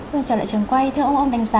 vâng chào lại trường quay thưa ông ông đánh giá